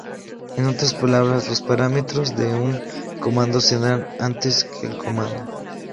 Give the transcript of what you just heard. En otras palabras, los parámetros de un comando se dan antes que el comando.